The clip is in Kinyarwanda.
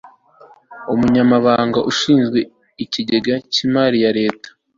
Umunyamabanga ushinzwe Ikigega cy imari ya Leta